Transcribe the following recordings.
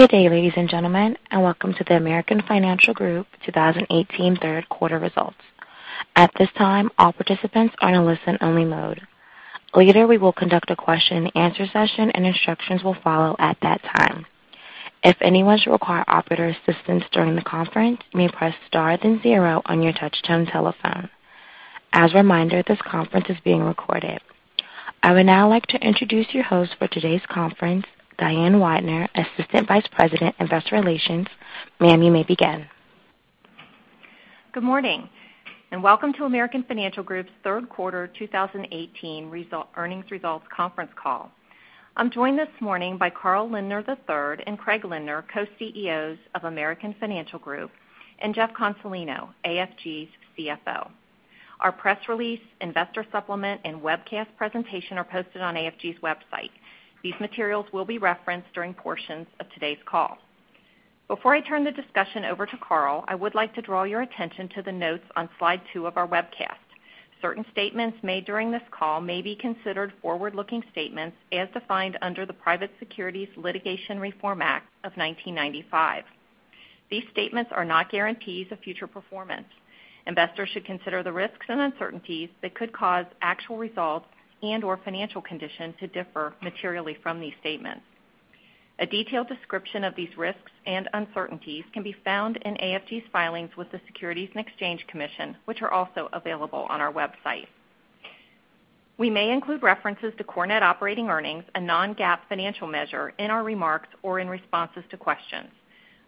Good day, ladies and gentlemen, and welcome to the American Financial Group 2018 third quarter results. At this time, all participants are in a listen-only mode. Later, we will conduct a question and answer session and instructions will follow at that time. If anyone should require operator assistance during the conference, you may press star then zero on your touch-tone telephone. As a reminder, this conference is being recorded. I would now like to introduce your host for today's conference, Diane Weidner, Assistant Vice President, Investor Relations. Ma'am, you may begin. Good morning, welcome to American Financial Group's third quarter 2018 earnings results conference call. I'm joined this morning by Carl Lindner III and Craig Lindner, Co-CEOs of American Financial Group, and Jeff Consolino, AFG's CFO. Our press release, investor supplement, and webcast presentation are posted on AFG's website. These materials will be referenced during portions of today's call. Before I turn the discussion over to Carl, I would like to draw your attention to the notes on slide two of our webcast. Certain statements made during this call may be considered forward-looking statements as defined under the Private Securities Litigation Reform Act of 1995. These statements are not guarantees of future performance. Investors should consider the risks and uncertainties that could cause actual results and/or financial conditions to differ materially from these statements. A detailed description of these risks and uncertainties can be found in AFG's filings with the Securities and Exchange Commission, which are also available on our website. We may include references to core net operating earnings, a non-GAAP financial measure, in our remarks or in responses to questions.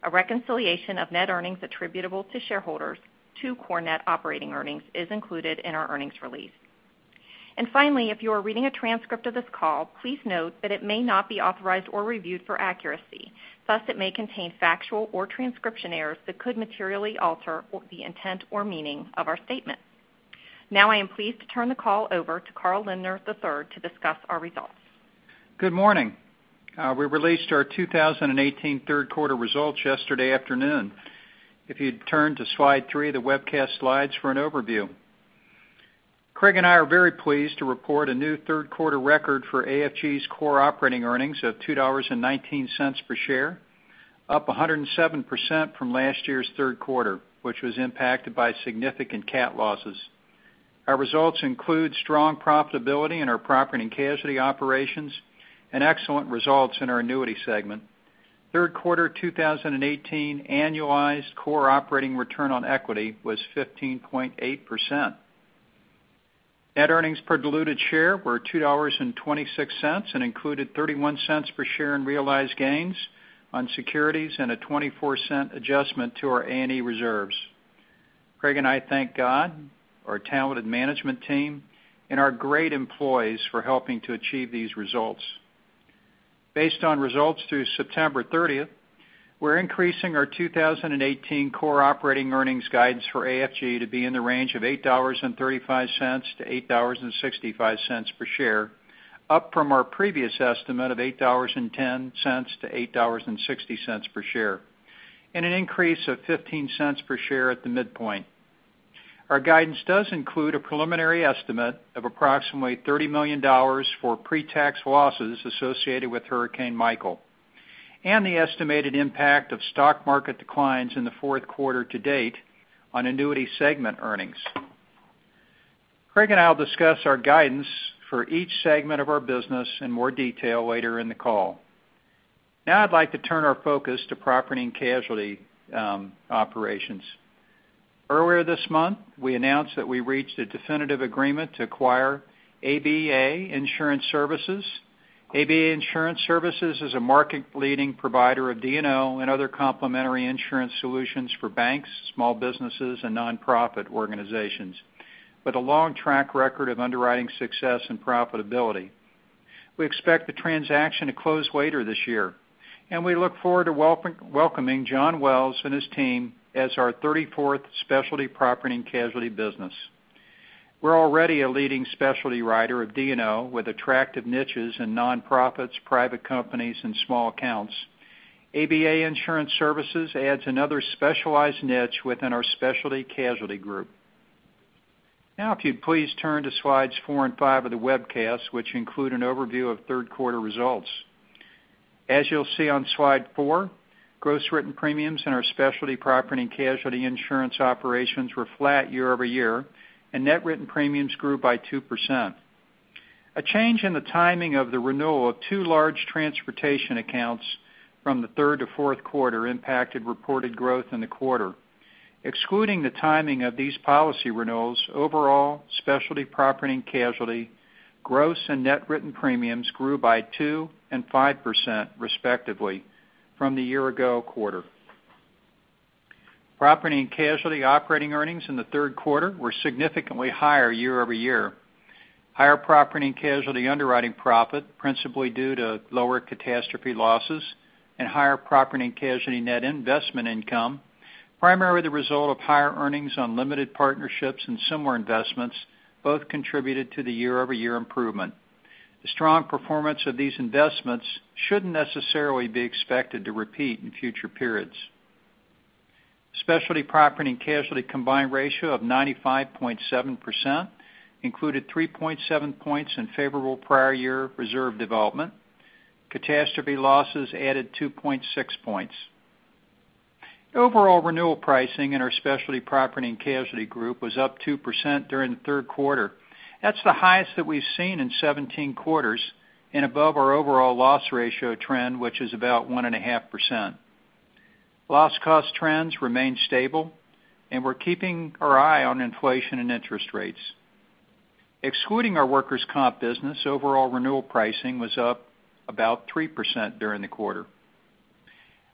A reconciliation of net earnings attributable to shareholders to core net operating earnings is included in our earnings release. Finally, if you are reading a transcript of this call, please note that it may not be authorized or reviewed for accuracy. Thus, it may contain factual or transcription errors that could materially alter the intent or meaning of our statement. Now I am pleased to turn the call over to Carl Lindner III to discuss our results. Good morning. We released our 2018 third quarter results yesterday afternoon. If you'd turn to slide three of the webcast slides for an overview. Craig and I are very pleased to report a new third quarter record for AFG's core operating earnings of $2.19 per share, up 107% from last year's third quarter, which was impacted by significant cat losses. Our results include strong profitability in our property and casualty operations and excellent results in our annuity segment. Third quarter 2018 annualized core operating return on equity was 15.8%. Net earnings per diluted share were $2.26 and included $0.31 per share in realized gains on securities and a $0.24 adjustment to our A&E reserves. Craig and I thank God, our talented management team, and our great employees for helping to achieve these results. Based on results through September 30th, we're increasing our 2018 core operating earnings guidance for AFG to be in the range of $8.35-$8.65 per share, up from our previous estimate of $8.10-$8.60 per share, and an increase of $0.15 per share at the midpoint. Our guidance does include a preliminary estimate of approximately $30 million for pre-tax losses associated with Hurricane Michael and the estimated impact of stock market declines in the fourth quarter to date on annuity segment earnings. Craig and I'll discuss our guidance for each segment of our business in more detail later in the call. I'd like to turn our focus to property and casualty operations. Earlier this month, we announced that we reached a definitive agreement to acquire ABA Insurance Services. ABA Insurance Services is a market-leading provider of D&O and other complementary insurance solutions for banks, small businesses, and nonprofit organizations with a long track record of underwriting success and profitability. We expect the transaction to close later this year, we look forward to welcoming John Wells and his team as our 34th specialty property and casualty business. We're already a leading specialty writer of D&O with attractive niches in nonprofits, private companies, and small accounts. ABA Insurance Services adds another specialized niche within our Specialty Casualty group. If you'd please turn to slides four and five of the webcast, which include an overview of third quarter results. As you'll see on slide four, gross written premiums in our specialty property and casualty insurance operations were flat year-over-year, net written premiums grew by 2%. A change in the timing of the renewal of two large transportation accounts from the third to fourth quarter impacted reported growth in the quarter. Excluding the timing of these policy renewals, overall specialty property and casualty gross and net written premiums grew by 2% and 5% respectively from the year ago quarter. Property and casualty operating earnings in the third quarter were significantly higher year-over-year. Higher property and casualty underwriting profit, principally due to lower catastrophe losses and higher property and casualty net investment income, primarily the result of higher earnings on limited partnerships and similar investments both contributed to the year-over-year improvement. The strong performance of these investments shouldn't necessarily be expected to repeat in future periods. Specialty property and casualty combined ratio of 95.7% included 3.7 points in favorable prior year reserve development. Catastrophe losses added 2.6 points. Overall renewal pricing in our specialty property and casualty group was up 2% during the third quarter. That's the highest that we've seen in 17 quarters and above our overall loss ratio trend, which is about 1.5%. Loss cost trends remain stable, we're keeping our eye on inflation and interest rates. Excluding our workers' comp business, overall renewal pricing was up about 3% during the quarter.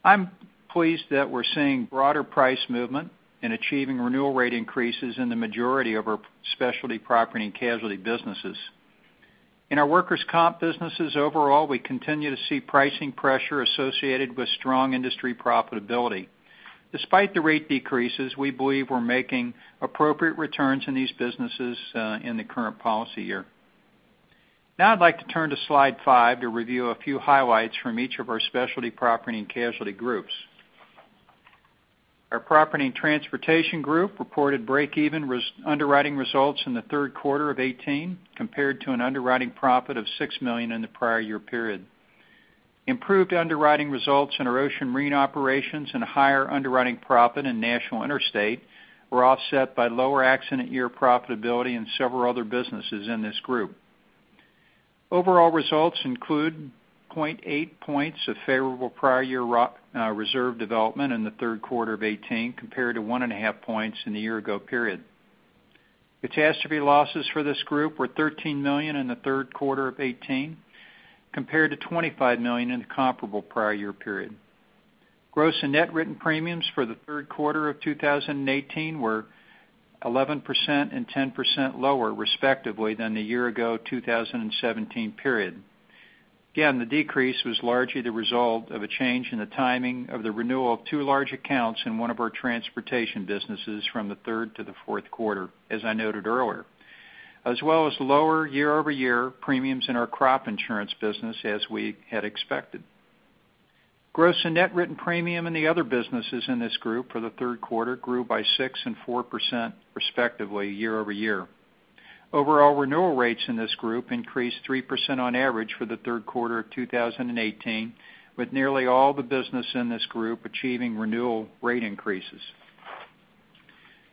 I'm pleased that we're seeing broader price movement in achieving renewal rate increases in the majority of our specialty property and casualty businesses. In our workers' comp businesses overall, we continue to see pricing pressure associated with strong industry profitability. Despite the rate decreases, we believe we're making appropriate returns in these businesses in the current policy year. I'd like to turn to slide five to review a few highlights from each of our specialty property and casualty groups. Our Property and Transportation Group reported breakeven underwriting results in the third quarter of 2018, compared to an underwriting profit of $6 million in the prior year period. Improved underwriting results in our ocean marine operations and a higher underwriting profit in National Interstate were offset by lower accident year profitability in several other businesses in this group. Overall results include 0.8 points of favorable prior year reserve development in the third quarter of 2018, compared to 1.5 points in the year ago period. Catastrophe losses for this group were $13 million in the third quarter of 2018, compared to $25 million in the comparable prior year period. Gross and net written premiums for the third quarter of 2018 were 11% and 10% lower, respectively, than the year ago 2017 period. The decrease was largely the result of a change in the timing of the renewal of two large accounts in one of our transportation businesses from the third to the fourth quarter, as I noted earlier. As well as lower year-over-year premiums in our crop insurance business as we had expected. Gross and net written premium in the other businesses in this group for the third quarter grew by 6% and 4%, respectively, year-over-year. Overall renewal rates in this group increased 3% on average for the third quarter of 2018, with nearly all the business in this group achieving renewal rate increases.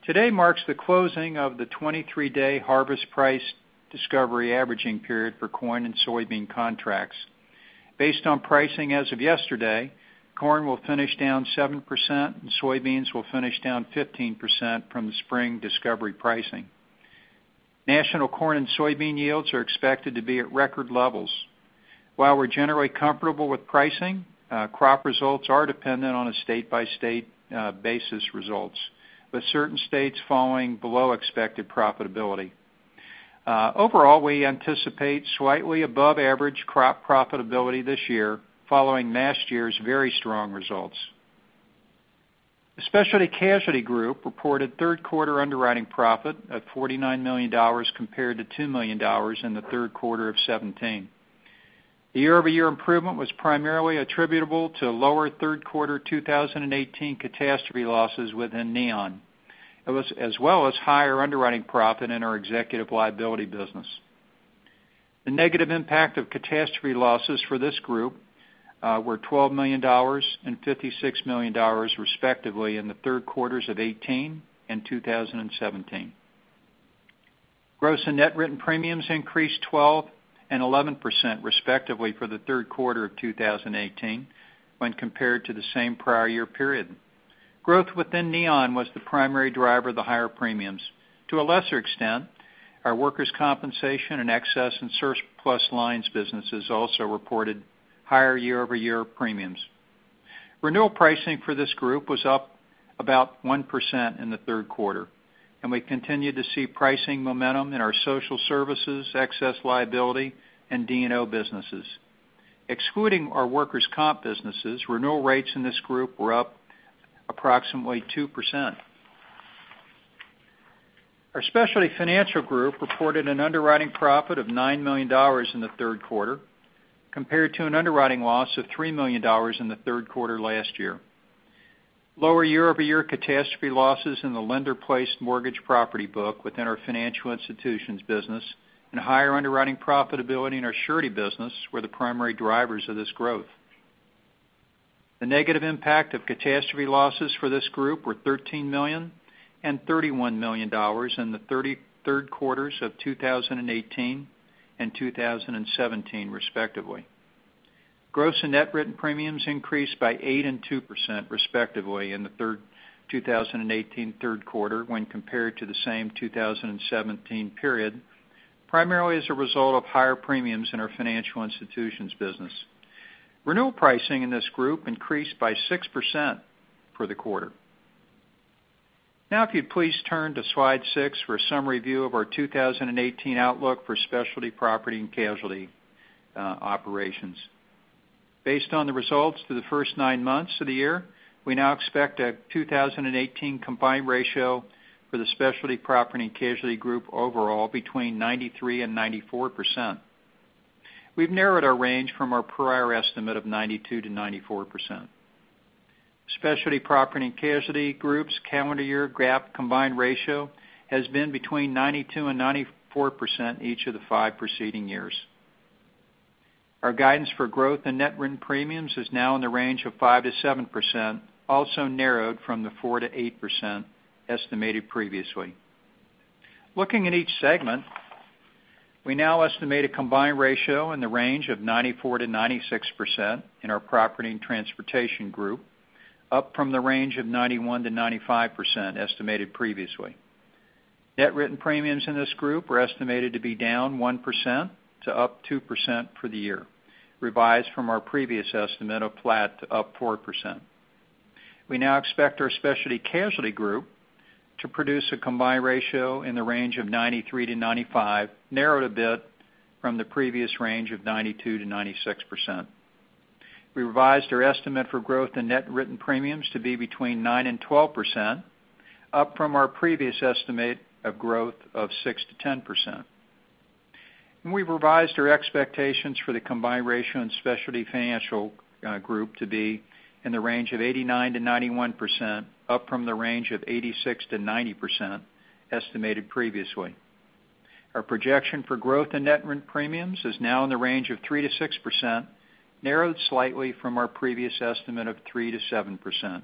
Today marks the closing of the 23-day harvest price discovery averaging period for corn and soybean contracts. Based on pricing as of yesterday, corn will finish down 7% and soybeans will finish down 15% from the spring discovery pricing. National corn and soybean yields are expected to be at record levels. While we're generally comfortable with pricing, crop results are dependent on a state-by-state basis results, with certain states falling below expected profitability. Overall, we anticipate slightly above average crop profitability this year, following last year's very strong results. The Specialty Casualty group reported third quarter underwriting profit of $49 million compared to $2 million in the third quarter of 2017. The year-over-year improvement was primarily attributable to lower third quarter 2018 catastrophe losses within Neon, as well as higher underwriting profit in our executive liability business. The negative impact of catastrophe losses for this group were $12 million and $56 million, respectively, in the third quarters of 2018 and 2017. Gross and net written premiums increased 12% and 11%, respectively, for the third quarter of 2018 when compared to the same prior year period. Growth within Neon was the primary driver of the higher premiums. To a lesser extent, our workers' compensation and excess and surplus lines businesses also reported higher year-over-year premiums. Renewal pricing for this group was up about 1% in the third quarter, and we continue to see pricing momentum in our social services, excess liability, and D&O businesses. Excluding our workers' comp businesses, renewal rates in this group were up approximately 2%. Our Specialty Financial Group reported an underwriting profit of $9 million in the third quarter, compared to an underwriting loss of $3 million in the third quarter last year. Lower year-over-year catastrophe losses in the lender-placed mortgage property book within our financial institutions business and higher underwriting profitability in our surety business were the primary drivers of this growth. The negative impact of catastrophe losses for this group were $13 million and $31 million in the third quarters of 2018 and 2017, respectively. Gross and net written premiums increased by 8% and 2%, respectively, in the 2018 third quarter when compared to the same 2017 period, primarily as a result of higher premiums in our financial institutions business. Renewal pricing in this group increased by 6% for the quarter. If you'd please turn to slide six for a summary view of our 2018 outlook for Specialty Property and Casualty operations. Based on the results for the first nine months of the year, we now expect a 2018 combined ratio for the Specialty Property and Casualty Group overall between 93% and 94%. We've narrowed our range from our prior estimate of 92%-94%. Specialty Property and Casualty Group's calendar year GAAP combined ratio has been between 92% and 94% each of the five preceding years. Our guidance for growth in net written premiums is now in the range of 5%-7%, also narrowed from the 4%-8% estimated previously. Looking at each segment, we now estimate a combined ratio in the range of 94%-96% in our Property and Transportation Group, up from the range of 91%-95% estimated previously. Net written premiums in this group were estimated to be down 1% to up 2% for the year, revised from our previous estimate of flat to up 4%. We now expect our Specialty Casualty Group to produce a combined ratio in the range of 93%-95%, narrowed a bit from the previous range of 92%-96%. We revised our estimate for growth in net written premiums to be between 9% and 12%, up from our previous estimate of growth of 6%-10%. We revised our expectations for the combined ratio in Specialty Financial Group to be in the range of 89%-91%, up from the range of 86%-90% estimated previously. Our projection for growth in net written premiums is now in the range of 3%-6%, narrowed slightly from our previous estimate of 3%-7%.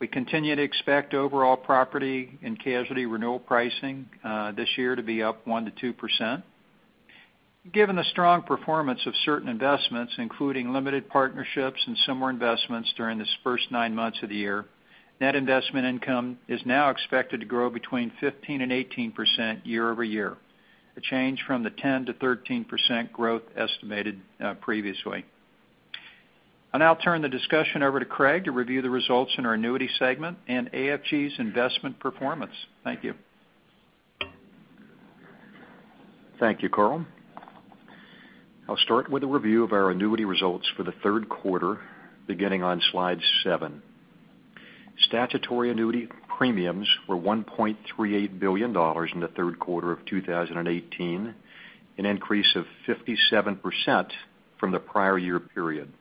We continue to expect overall property and casualty renewal pricing this year to be up 1%-2%. Given the strong performance of certain investments, including limited partnerships and similar investments during this first nine months of the year, net investment income is now expected to grow between 15% and 18% year-over-year, a change from the 10%-13% growth estimated previously. I'll now turn the discussion over to Craig to review the results in our Annuity segment and AFG's investment performance. Thank you. Thank you, Carl. I'll start with a review of our annuity results for the third quarter, beginning on slide seven. Statutory annuity premiums were $1.38 billion in the third quarter of 2018, an increase of 57% from the prior year period.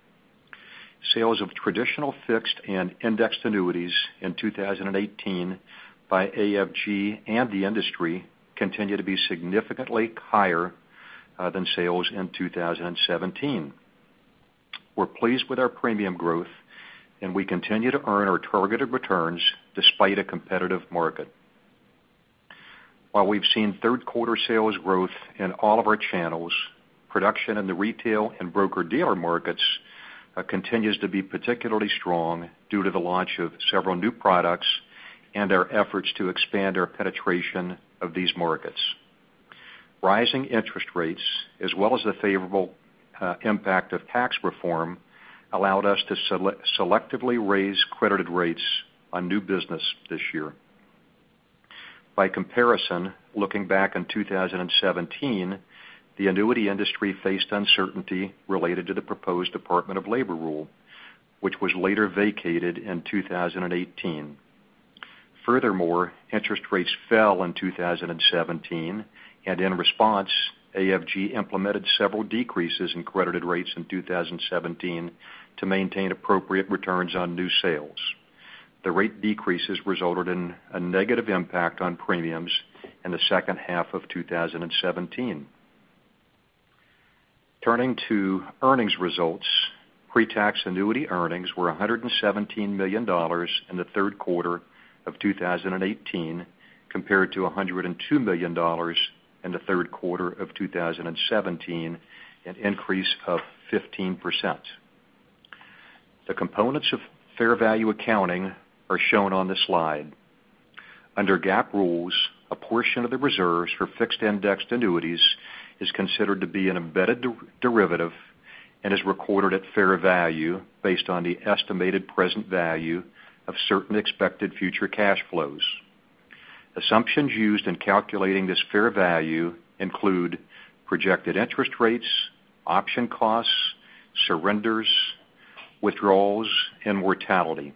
Sales of traditional fixed and indexed annuities in 2018 by AFG and the industry continue to be significantly higher than sales in 2017. We're pleased with our premium growth, and we continue to earn our targeted returns despite a competitive market. While we've seen third quarter sales growth in all of our channels, production in the retail and broker-dealer markets continues to be particularly strong due to the launch of several new products and our efforts to expand our penetration of these markets. Rising interest rates, as well as the favorable impact of tax reform, allowed us to selectively raise credited rates on new business this year. Looking back in 2017, the annuity industry faced uncertainty related to the proposed Department of Labor rule, which was later vacated in 2018. Furthermore, interest rates fell in 2017, and in response, AFG implemented several decreases in credited rates in 2017 to maintain appropriate returns on new sales. The rate decreases resulted in a negative impact on premiums in the second half of 2017. Turning to earnings results, pretax annuity earnings were $117 million in the third quarter of 2018, compared to $102 million in the third quarter of 2017, an increase of 15%. The components of fair value accounting are shown on this slide. Under GAAP rules, a portion of the reserves for fixed-indexed annuities is considered to be an embedded derivative and is recorded at fair value based on the estimated present value of certain expected future cash flows. Assumptions used in calculating this fair value include projected interest rates, option costs, surrenders, withdrawals, and mortality.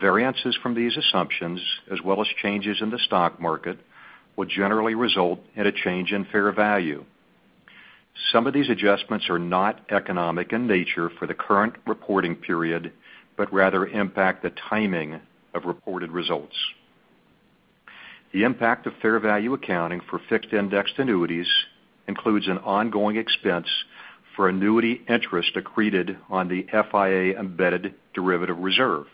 Variances from these assumptions, as well as changes in the stock market, will generally result in a change in fair value. Some of these adjustments are not economic in nature for the current reporting period, but rather impact the timing of reported results. The impact of fair value accounting for fixed-indexed annuities includes an ongoing expense for annuity interest accreted on the FIA embedded derivative reserve.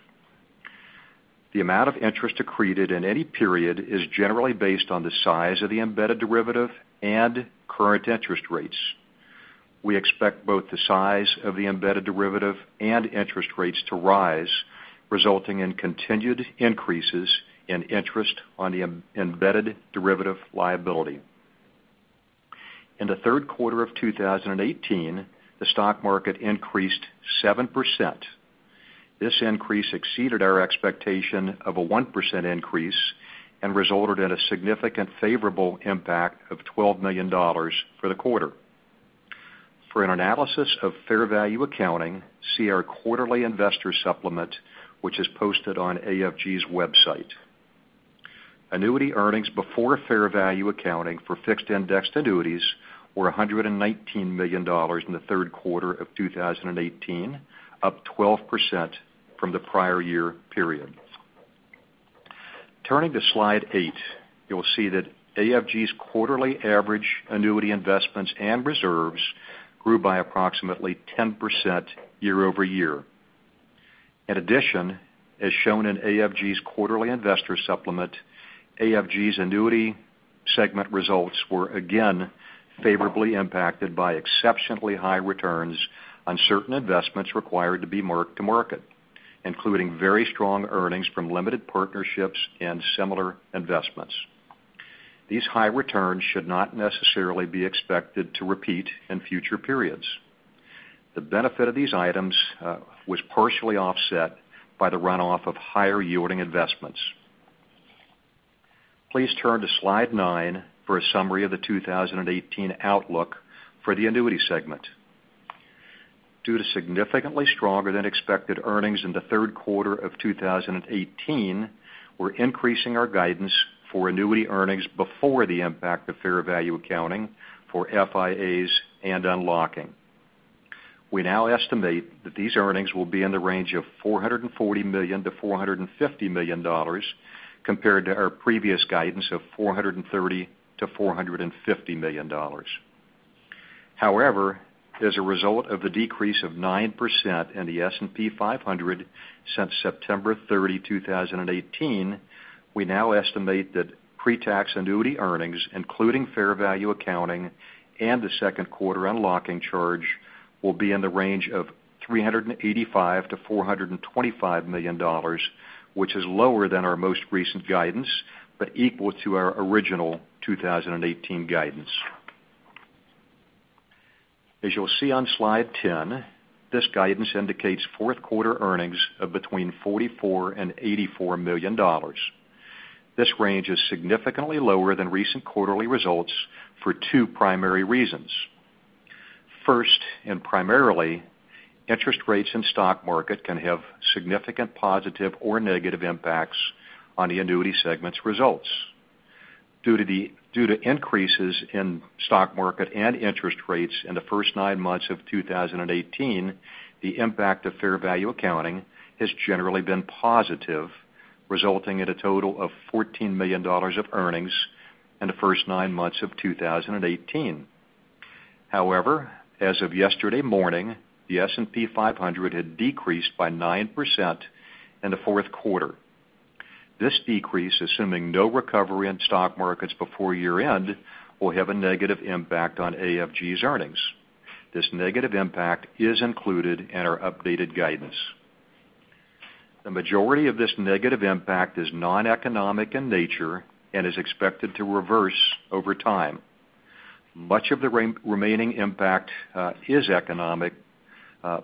The amount of interest accreted in any period is generally based on the size of the embedded derivative and current interest rates. We expect both the size of the embedded derivative and interest rates to rise, resulting in continued increases in interest on the embedded derivative liability. In the third quarter of 2018, the stock market increased 7%. This increase exceeded our expectation of a 1% increase and resulted in a significant favorable impact of $12 million for the quarter. For an analysis of fair value accounting, see our quarterly investor supplement, which is posted on AFG's website. Annuity earnings before fair value accounting for fixed-indexed annuities were $119 million in the third quarter of 2018, up 12% from the prior year period. Turning to Slide eight, you'll see that AFG's quarterly average annuity investments and reserves grew by approximately 10% year-over-year. In addition, as shown in AFG's quarterly investor supplement, AFG's annuity segment results were again favorably impacted by exceptionally high returns on certain investments required to be marked to market, including very strong earnings from limited partnerships and similar investments. These high returns should not necessarily be expected to repeat in future periods. The benefit of these items was partially offset by the runoff of higher-yielding investments. Please turn to Slide 9 for a summary of the 2018 outlook for the annuity segment. Due to significantly stronger than expected earnings in the third quarter of 2018, we're increasing our guidance for annuity earnings before the impact of fair value accounting for FIAs and unlocking. We now estimate that these earnings will be in the range of $440 million-$450 million compared to our previous guidance of $430 million-$450 million. As a result of the decrease of 9% in the S&P 500 since September 30, 2018, we now estimate that pre-tax annuity earnings, including fair value accounting and the second quarter unlocking charge, will be in the range of $385 million-$425 million, which is lower than our most recent guidance, but equal to our original 2018 guidance. As you'll see on Slide 10, this guidance indicates fourth quarter earnings of between $44 million and $84 million. This range is significantly lower than recent quarterly results for two primary reasons. Primarily, interest rates and stock market can have significant positive or negative impacts on the annuity segment's results. Due to increases in stock market and interest rates in the first nine months of 2018, the impact of fair value accounting has generally been positive, resulting in a total of $14 million of earnings in the first nine months of 2018. As of yesterday morning, the S&P 500 had decreased by 9% in the fourth quarter. This decrease, assuming no recovery in stock markets before year-end, will have a negative impact on AFG's earnings. This negative impact is included in our updated guidance. The majority of this negative impact is non-economic in nature and is expected to reverse over time. Much of the remaining impact is economic,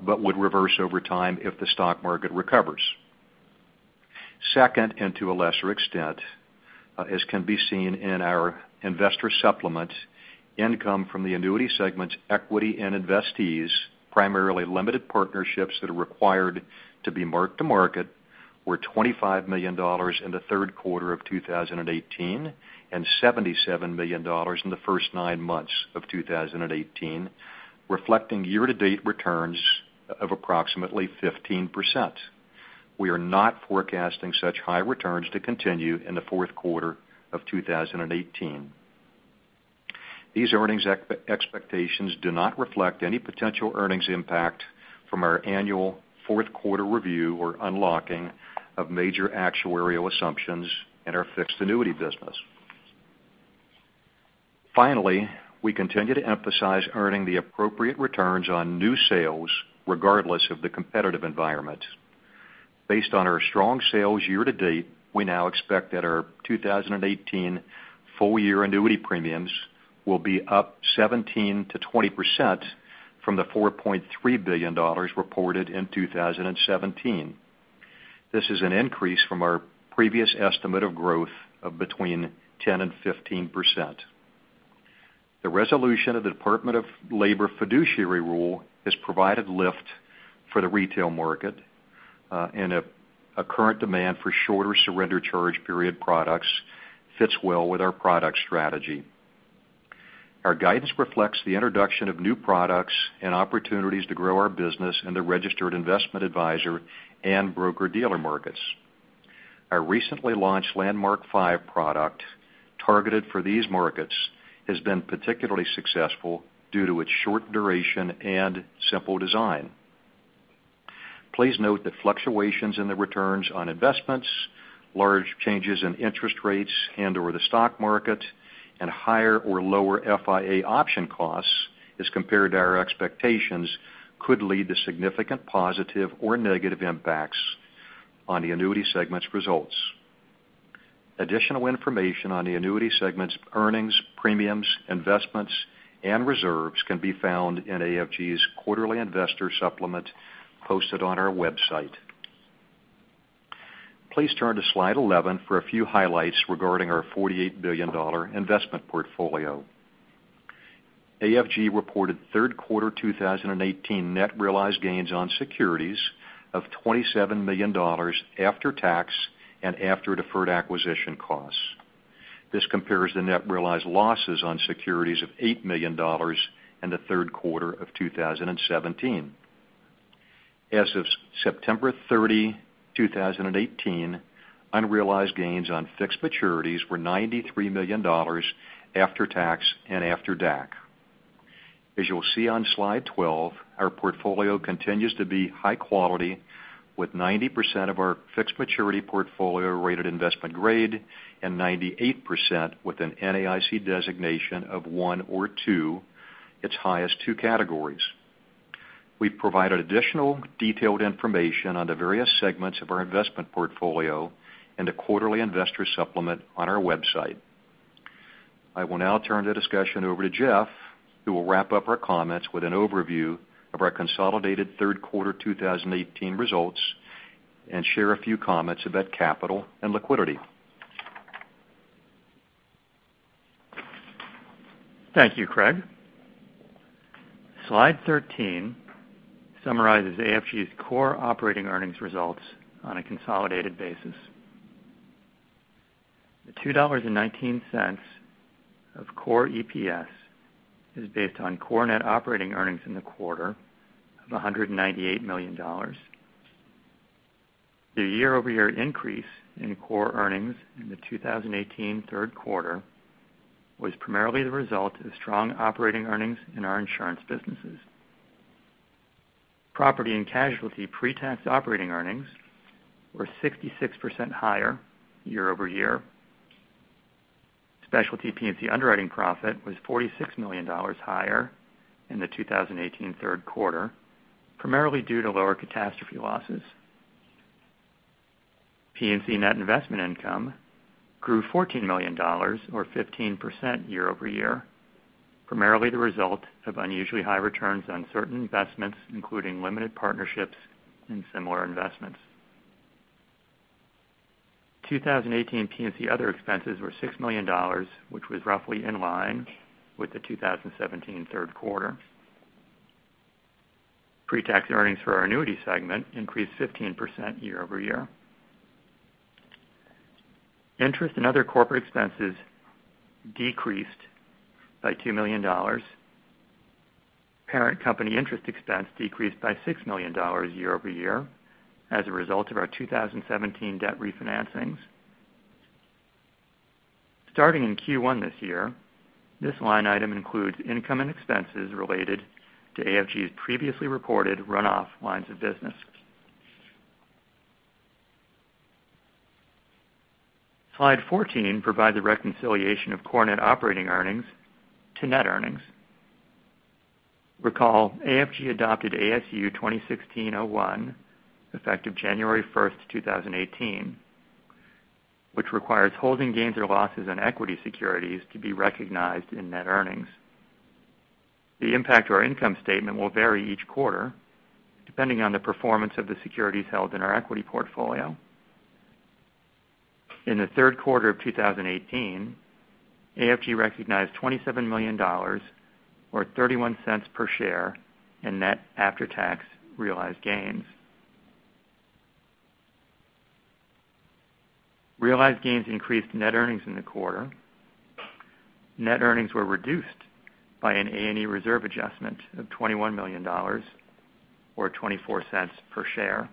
but would reverse over time if the stock market recovers. To a lesser extent, as can be seen in our investor supplement, income from the annuity segment's equity in investees, primarily limited partnerships that are required to be marked to market, were $25 million in the third quarter of 2018 and $77 million in the first nine months of 2018, reflecting year-to-date returns of approximately 15%. We are not forecasting such high returns to continue in the fourth quarter of 2018. These earnings expectations do not reflect any potential earnings impact from our annual fourth quarter review or unlocking of major actuarial assumptions in our fixed annuity business. We continue to emphasize earning the appropriate returns on new sales regardless of the competitive environment. Based on our strong sales year to date, we now expect that our 2018 full year annuity premiums will be up 17%-20% from the $4.3 billion reported in 2017. This is an increase from our previous estimate of growth of between 10% and 15%. The resolution of the Department of Labor fiduciary rule has provided lift for the retail market, and a current demand for shorter surrender charge period products fits well with our product strategy. Our guidance reflects the introduction of new products and opportunities to grow our business in the registered investment advisor and broker-dealer markets. Our recently launched Landmark 5 product targeted for these markets has been particularly successful due to its short duration and simple design. Please note that fluctuations in the returns on investments, large changes in interest rates and/or the stock market, and higher or lower FIA option costs as compared to our expectations could lead to significant positive or negative impacts on the annuity segment's results. Additional information on the annuity segment's earnings, premiums, investments, and reserves can be found in AFG's quarterly investor supplement posted on our website. Please turn to Slide 11 for a few highlights regarding our $48 billion investment portfolio. AFG reported third quarter 2018 net realized gains on securities of $27 million after tax and after deferred acquisition costs. This compares the net realized losses on securities of $8 million in the third quarter of 2017. As of September 30, 2018, unrealized gains on fixed maturities were $93 million after tax and after DAC. As you'll see on Slide 12, our portfolio continues to be high quality with 90% of our fixed maturity portfolio rated investment grade and 98% with an NAIC designation of 1 or 2, its highest 2 categories. We've provided additional detailed information on the various segments of our investment portfolio in the quarterly investor supplement on our website. I will now turn the discussion over to Jeff, who will wrap up our comments with an overview of our consolidated third quarter 2018 results and share a few comments about capital and liquidity. Thank you, Craig. Slide 13 summarizes AFG's core operating earnings results on a consolidated basis. The $2.19 of core EPS is based on core net operating earnings in the quarter of $198 million. The year-over-year increase in core earnings in the 2018 third quarter was primarily the result of strong operating earnings in our insurance businesses. Property and casualty pre-tax operating earnings were 66% higher year-over-year. Specialty P&C underwriting profit was $46 million higher in the 2018 third quarter, primarily due to lower catastrophe losses. P&C net investment income grew $14 million or 15% year-over-year, primarily the result of unusually high returns on certain investments, including limited partnerships and similar investments. 2018 P&C other expenses were $6 million, which was roughly in line with the 2017 third quarter. Pre-tax earnings for our annuity segment increased 15% year-over-year. Interest and other corporate expenses decreased by $2 million. Parent company interest expense decreased by $6 million year-over-year as a result of our 2017 debt refinancings. Starting in Q1 this year, this line item includes income and expenses related to AFG's previously reported runoff lines of business. Slide 14 provides a reconciliation of core net operating earnings to net earnings. Recall, AFG adopted ASU 2016-01, effective January 1st, 2018, which requires holding gains or losses on equity securities to be recognized in net earnings. The impact to our income statement will vary each quarter, depending on the performance of the securities held in our equity portfolio. In the third quarter of 2018, AFG recognized $27 million or $0.31 per share in net after-tax realized gains. Realized gains increased net earnings in the quarter. Net earnings were reduced by an A&E reserve adjustment of $21 million or $0.24 per share.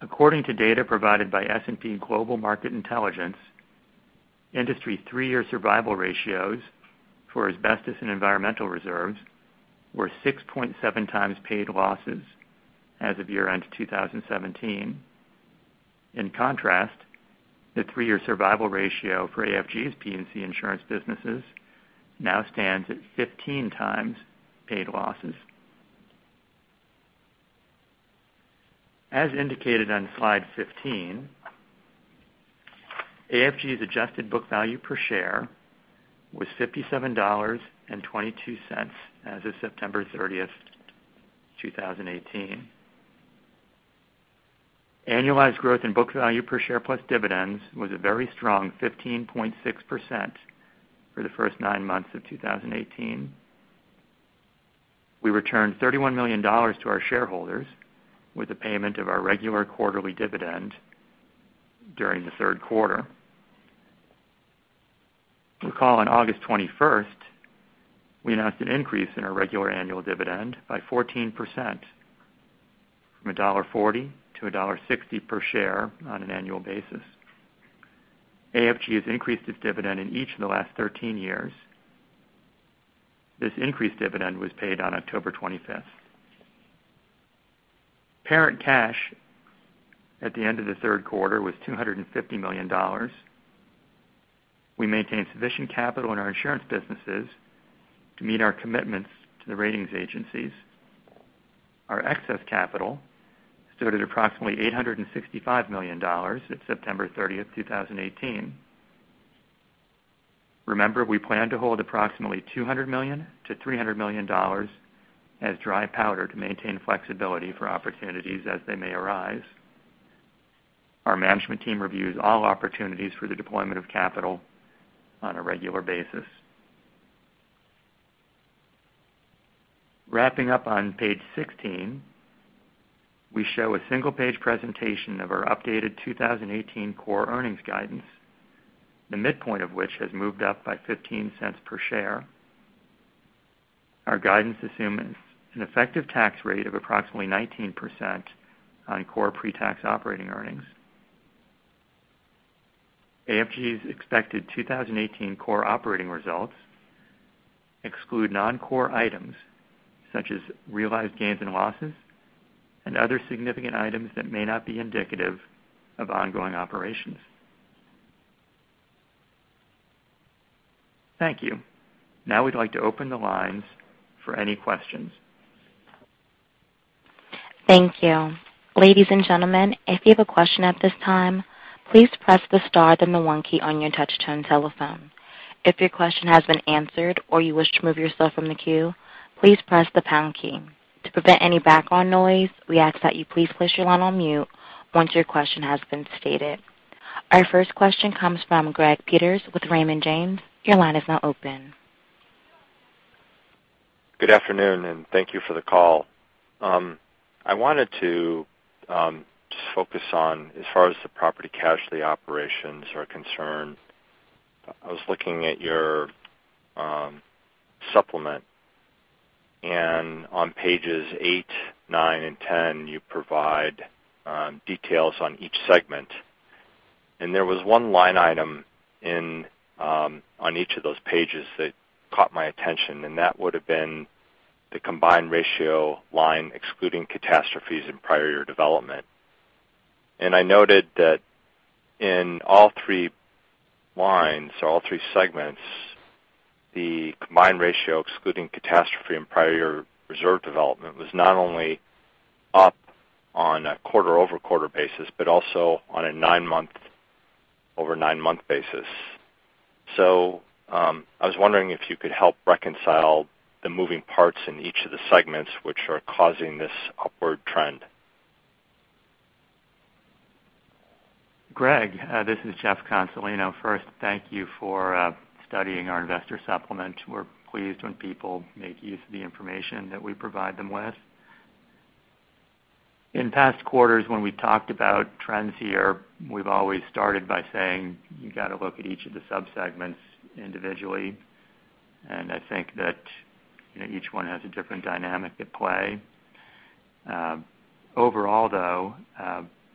According to data provided by S&P Global Market Intelligence, industry three-year survival ratios for asbestos and environmental reserves were 6.7 times paid losses as of year-end 2017. In contrast, the three-year survival ratio for AFG's P&C insurance businesses now stands at 15 times paid losses. As indicated on slide 15, AFG's adjusted book value per share was $57.22 as of September 30th, 2018. Annualized growth in book value per share plus dividends was a very strong 15.6% for the first nine months of 2018. We returned $31 million to our shareholders with the payment of our regular quarterly dividend during the third quarter. Recall on August 21st, we announced an increase in our regular annual dividend by 14%, from $1.40 to $1.60 per share on an annual basis. AFG has increased its dividend in each of the last 13 years. This increased dividend was paid on October 25th. Parent cash at the end of the third quarter was $250 million. We maintain sufficient capital in our insurance businesses to meet our commitments to the ratings agencies. Our excess capital stood at approximately $865 million at September 30th, 2018. Remember, we plan to hold approximately $200 million to $300 million as dry powder to maintain flexibility for opportunities as they may arise. Our management team reviews all opportunities for the deployment of capital on a regular basis. Wrapping up on page 16, we show a single-page presentation of our updated 2018 core earnings guidance, the midpoint of which has moved up by $0.15 per share. Our guidance assumes an effective tax rate of approximately 19% on core pre-tax operating earnings. AFG's expected 2018 core operating results exclude non-core items such as realized gains and losses, and other significant items that may not be indicative of ongoing operations. Thank you. We'd like to open the lines for any questions. Thank you. Ladies and gentlemen, if you have a question at this time, please press the star, then the one key on your touch-tone telephone. If your question has been answered or you wish to remove yourself from the queue, please press the pound key. To prevent any background noise, we ask that you please place your line on mute once your question has been stated. Our first question comes from Greg Peters with Raymond James. Your line is now open. Good afternoon, and thank you for the call. I wanted to just focus on, as far as the Property and Casualty operations are concerned, I was looking at your supplement, and on pages eight, nine, and 10, you provide details on each segment. There was one line item on each of those pages that caught my attention, and that would've been the combined ratio line, excluding catastrophes and prior year development. I noted that in all three lines or all three segments, the combined ratio, excluding catastrophe and prior year reserve development, was not only up on a quarter-over-quarter basis, but also on a nine-month-over-nine-month basis. I was wondering if you could help reconcile the moving parts in each of the segments which are causing this upward trend. Greg, this is Jeff Consolino. First, thank you for studying our investor supplement. We're pleased when people make use of the information that we provide them with. In past quarters when we talked about trends here, we've always started by saying you've got to look at each of the sub-segments individually. I think that each one has a different dynamic at play. Overall, though,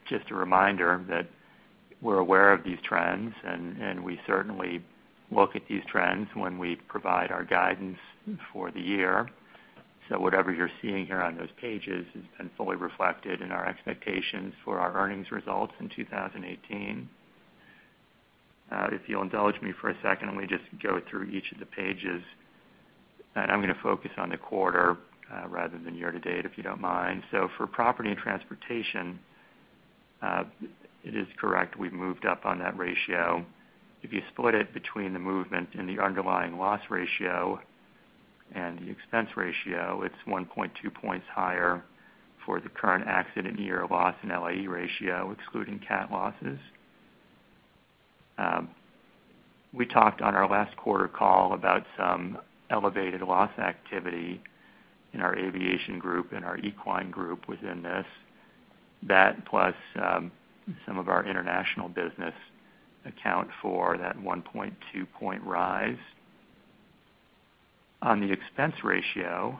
just a reminder that we're aware of these trends, and we certainly look at these trends when we provide our guidance for the year. Whatever you're seeing here on those pages has been fully reflected in our expectations for our earnings results in 2018. If you'll indulge me for a second, let me just go through each of the pages. I'm going to focus on the quarter rather than year-to-date, if you don't mind. For Property and Transportation, it is correct, we've moved up on that ratio. If you split it between the movement and the underlying loss ratio and the expense ratio, it's 1.2 points higher for the current accident year loss and LAE ratio, excluding cat losses. We talked on our last quarter call about some elevated loss activity in our aviation group and our equine group within this. That, plus some of our international business account for that 1.2-point rise. On the expense ratio,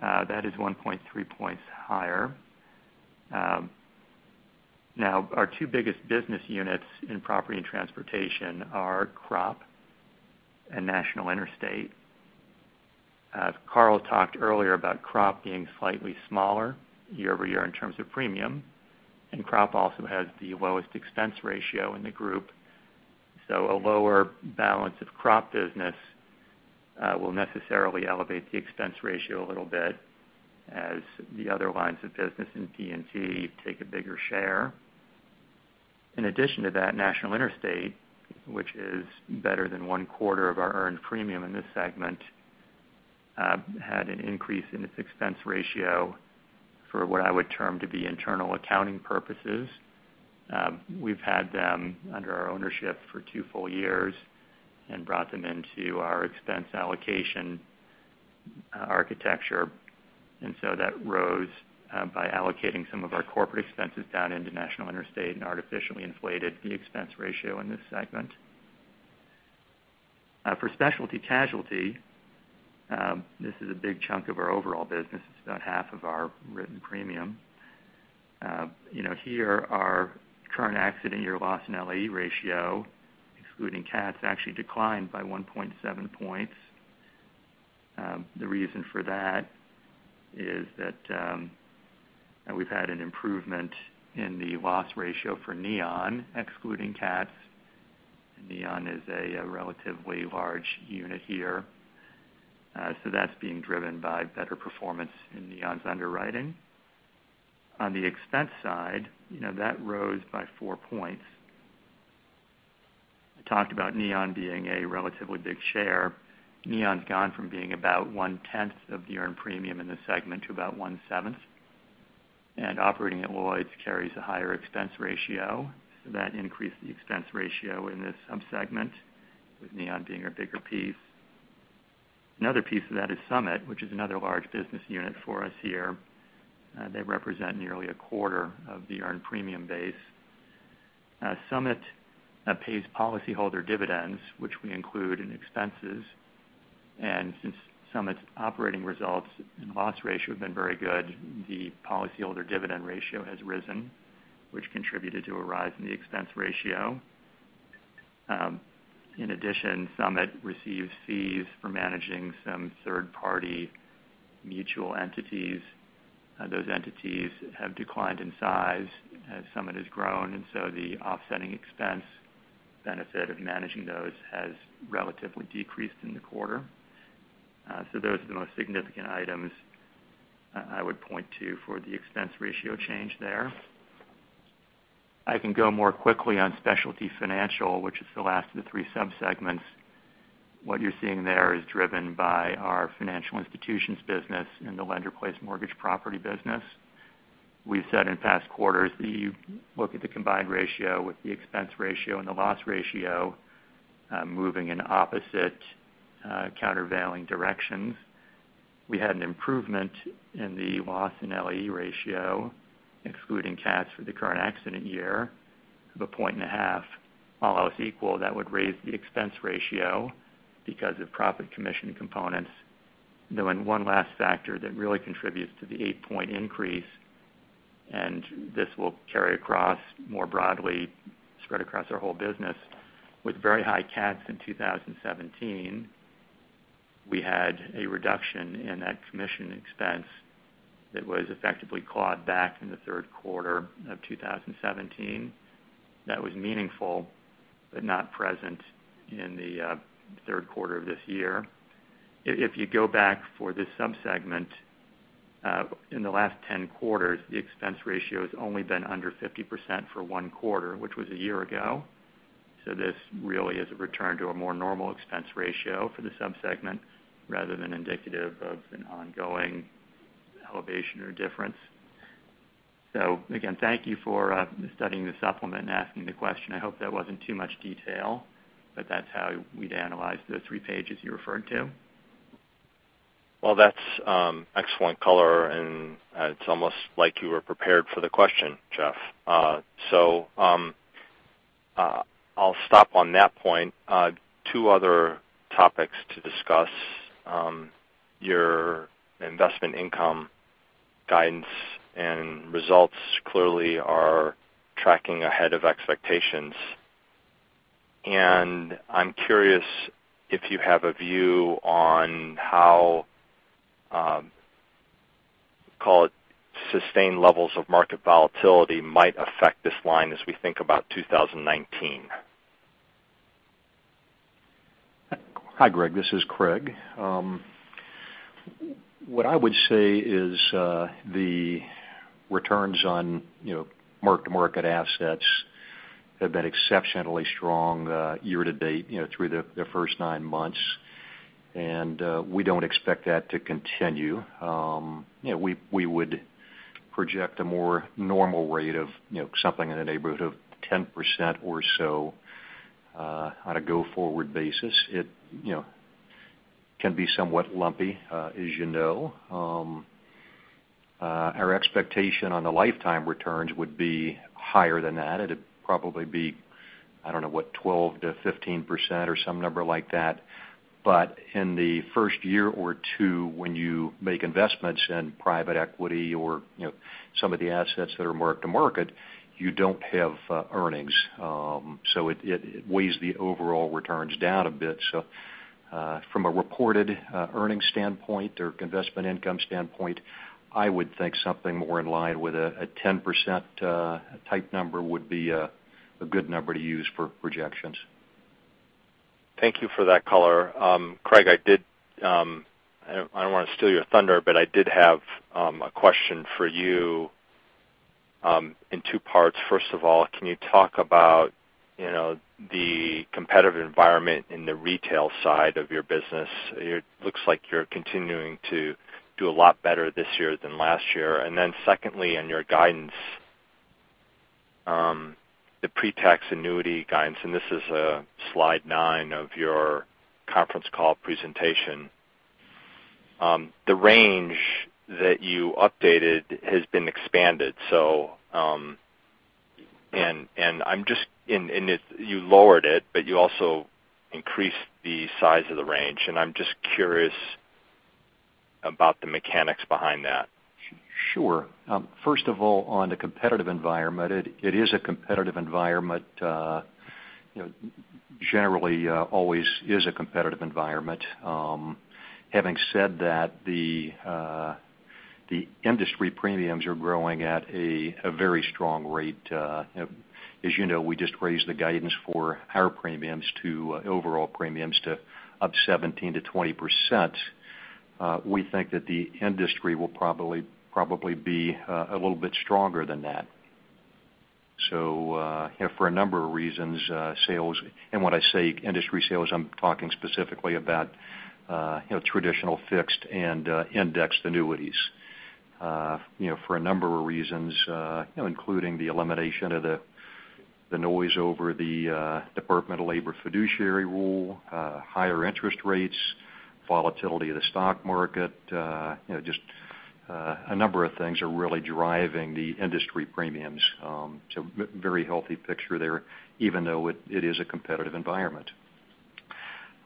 that is 1.3 points higher. Our two biggest business units in Property and Transportation are crop and National Interstate. As Carl talked earlier about crop being slightly smaller year-over-year in terms of premium, and crop also has the lowest expense ratio in the group. A lower balance of crop business will necessarily elevate the expense ratio a little bit as the other lines of business in P&T take a bigger share. In addition to that, National Interstate, which is better than one-quarter of our earned premium in this segment, had an increase in its expense ratio for what I would term to be internal accounting purposes. We've had them under our ownership for two full years and brought them into our expense allocation architecture. That rose by allocating some of our corporate expenses down into National Interstate and artificially inflated the expense ratio in this segment. For Specialty Casualty, this is a big chunk of our overall business. It's about half of our written premium. Here, our current accident year loss in LAE ratio, excluding cats, actually declined by 1.7 points. The reason for that is that we've had an improvement in the loss ratio for Neon, excluding cats. Neon is a relatively large unit here. That's being driven by better performance in Neon's underwriting. On the expense side, that rose by four points. I talked about Neon being a relatively big share. Neon's gone from being about one tenth of the earned premium in the segment to about one seventh, and operating at Lloyd's carries a higher expense ratio. That increased the expense ratio in this sub-segment, with Neon being a bigger piece. Another piece of that is Summit, which is another large business unit for us here. They represent nearly a quarter of the earned premium base. Summit pays policyholder dividends, which we include in expenses, and since Summit's operating results and loss ratio have been very good, the policyholder dividend ratio has risen, which contributed to a rise in the expense ratio. In addition, Summit receives fees for managing some third-party mutual entities. Those entities have declined in size as Summit has grown, and the offsetting expense benefit of managing those has relatively decreased in the quarter. Those are the most significant items I would point to for the expense ratio change there. I can go more quickly on Specialty Financial, which is the last of the three sub-segments. What you're seeing there is driven by our financial institutions business and the lender-placed mortgage property business. We've said in past quarters that you look at the combined ratio with the expense ratio and the loss ratio moving in opposite, countervailing directions. We had an improvement in the loss and LAE ratio, excluding cats for the current accident year, of a point and a half. All else equal, that would raise the expense ratio because of profit commission components. One last factor that really contributes to the eight-point increase, and this will carry across more broadly, spread across our whole business. With very high cats in 2017, we had a reduction in that commission expense that was effectively clawed back in the third quarter of 2017. That was meaningful, but not present in the third quarter of this year. If you go back for this sub-segment, in the last 10 quarters, the expense ratio has only been under 50% for one quarter, which was a year ago. This really is a return to a more normal expense ratio for the sub-segment rather than indicative of an ongoing elevation or difference. Again, thank you for studying the supplement and asking the question. I hope that wasn't too much detail, but that's how we'd analyze those three pages you referred to. Well, that's excellent color, and it's almost like you were prepared for the question, Jeff. I'll stop on that point. Two other topics to discuss. Your investment income guidance and results clearly are tracking ahead of expectations, I'm curious if you have a view on how, call it sustained levels of market volatility might affect this line as we think about 2019. Hi, Greg, this is Craig. What I would say is the returns on market to market assets have been exceptionally strong year to date through the first nine months, we don't expect that to continue. We would project a more normal rate of something in the neighborhood of 10% or so on a go-forward basis. It can be somewhat lumpy as you know. Our expectation on the lifetime returns would be higher than that. It'd probably be, I don't know, what, 12%-15% or some number like that. In the first year or two, when you make investments in private equity or some of the assets that are market to market, you don't have earnings. It weighs the overall returns down a bit. From a reported earnings standpoint or investment income standpoint, I would think something more in line with a 10% type number would be a good number to use for projections. Thank you for that color. Craig, I don't want to steal your thunder, but I did have a question for you in two parts. First of all, can you talk about the competitive environment in the retail side of your business? It looks like you're continuing to do a lot better this year than last year. Secondly, on your guidance, the pre-tax annuity guidance, this is slide nine of your conference call presentation. The range that you updated has been expanded. You lowered it, but you also increased the size of the range, I'm just curious about the mechanics behind that. Sure. First of all, on the competitive environment, it is a competitive environment. Generally, always is a competitive environment. Having said that, the industry premiums are growing at a very strong rate. As you know, we just raised the guidance for higher premiums to overall premiums up 17%-20%. We think that the industry will probably be a little bit stronger than that. For a number of reasons, and when I say industry sales, I'm talking specifically about traditional fixed-indexed annuities. For a number of reasons, including the elimination of the noise over the Department of Labor fiduciary rule, higher interest rates, volatility of the stock market, just a number of things are really driving the industry premiums to very healthy picture there, even though it is a competitive environment.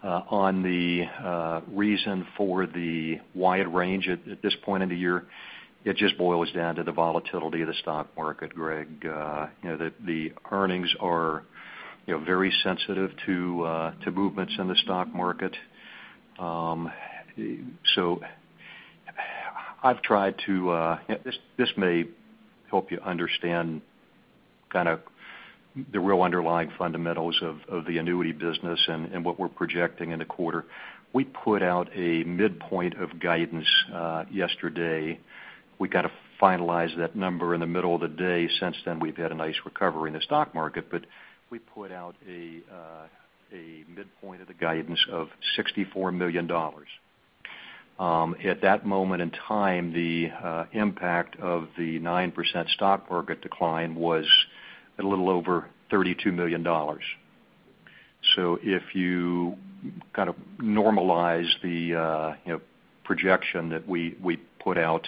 On the reason for the wide range at this point in the year, it just boils down to the volatility of the stock market, Greg. The earnings are very sensitive to movements in the stock market. This may help you understand the real underlying fundamentals of the annuity business and what we're projecting in the quarter. We put out a midpoint of guidance yesterday. We got to finalize that number in the middle of the day. Since then, we've had a nice recovery in the stock market. We put out a midpoint of the guidance of $64 million. At that moment in time, the impact of the 9% stock market decline was a little over $32 million. If you normalize the projection that we put out,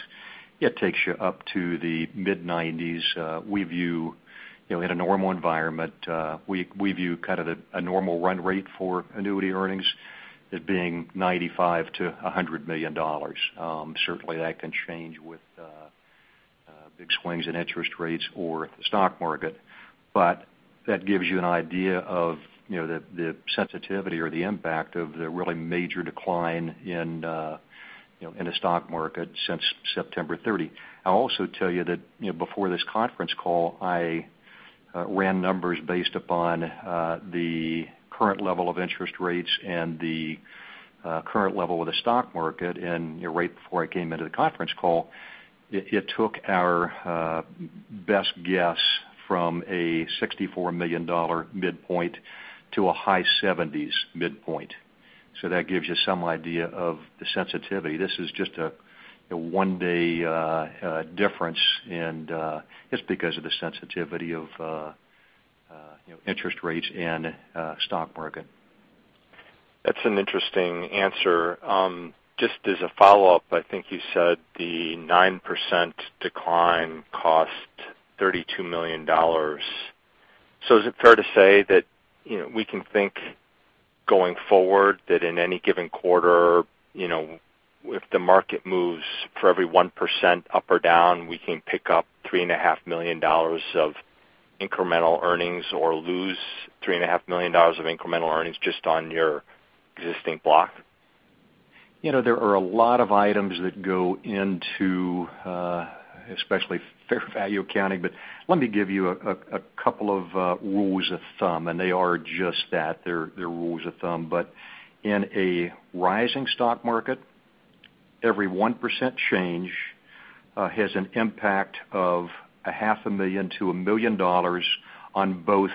it takes you up to the mid-90s. In a normal environment, we view a normal run rate for annuity earnings as being $95 million-$100 million. Certainly, that can change with big swings in interest rates or the stock market. That gives you an idea of the sensitivity or the impact of the really major decline in the stock market since September 30. I'll also tell you that before this conference call, I ran numbers based upon the current level of interest rates and the current level of the stock market. Right before I came into the conference call, it took our best guess from a $64 million midpoint to a high 70s midpoint. That gives you some idea of the sensitivity. This is just a one-day difference, just because of the sensitivity of interest rates and stock market. That's an interesting answer. Just as a follow-up, I think you said the 9% decline cost $32 million. Is it fair to say that we can think going forward that in any given quarter, if the market moves for every 1% up or down, we can pick up $3.5 million of incremental earnings or lose $3.5 million of incremental earnings just on your existing block? There are a lot of items that go into, especially fair value accounting. Let me give you a couple of rules of thumb, and they are just that. They're rules of thumb. In a rising stock market, every 1% change has an impact of a half a million to $1 million on both